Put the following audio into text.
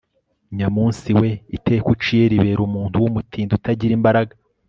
nyamunsi we, iteka uciye ribera umuntu w'umutindi utagira imbaraga